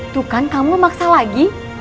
tuh kan kamu maksa lagi